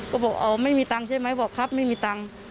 ก็บอกอ๋อไม่มีตังค์ใช่ไหมบอกครับไม่มีตังค์